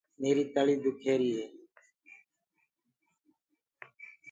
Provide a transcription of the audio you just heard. ميريٚ تݪيٚ سُور ڪر رهيري هي۔